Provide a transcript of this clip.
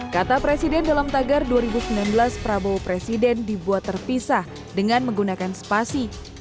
kata presiden dalam tagar dua ribu sembilan belas prabowo presiden dibuat terpisah dengan menggunakan spasi